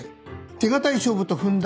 手堅い勝負と踏んだ